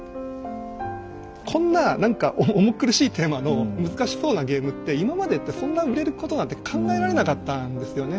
こんな何か重苦しいテーマの難しそうなゲームって今までってそんな売れることなんて考えられなかったんですよね。